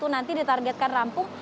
nanti ditargetkan rampung